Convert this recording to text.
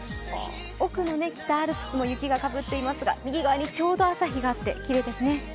奥の北アルプスも雪がかぶっていますが右側にちょうど朝日があって、きれいですね。